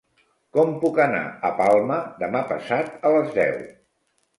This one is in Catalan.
Com puc anar a Palma demà passat a les deu?